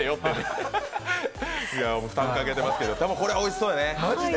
負担かけてますけど、これはおいしそうですね。